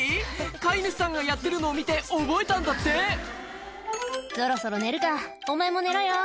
飼い主さんがやってるのを見て覚えたんだって「そろそろ寝るかお前も寝ろよ」